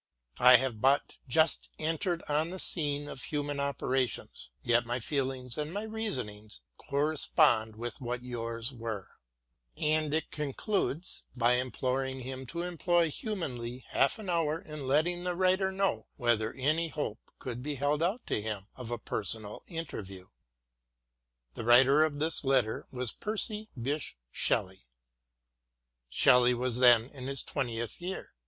... I have but just entered on the scene of human operations, yet my feelings and my reason ings correspond with what yours were. MARY WOLLSTONECRAFT T] And it concludes by imploring him to employ humanely half an hour in letting the writer know whether any hope could be held out to him of a personal interview. The writer of this letter was Percy Bysshe Shelley. Shelley was then in his twentieth year.